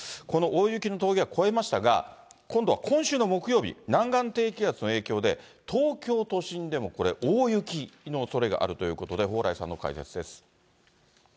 この大雪の峠は越えましたが、今度は今週の木曜日、南岸低気圧の影響で東京都心でもこれ、大雪のおそれがあるということで、蓬莱さんの解説です。